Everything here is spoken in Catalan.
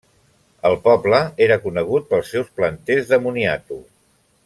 El poble era conegut pels seus planters de moniato.